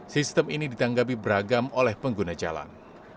sistem ini ditanggapi beragam oleh pengguna jalan